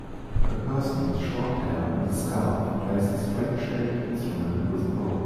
A person with short hair and a scarf plays a strangeshaped instrument with a bow